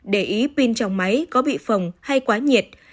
để ý pin trong máy có bị phồng hay quá nhiệt